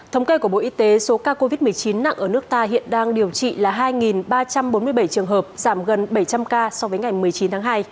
thống kê của bộ y tế số ca covid một mươi chín nặng ở nước ta hiện đang điều trị là hai ba trăm bốn mươi bảy trường hợp giảm gần bảy trăm linh ca so với ngày một mươi chín tháng hai